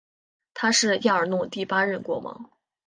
他是亚尔诺第八任国王。